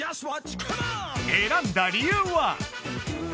選んだ理由は？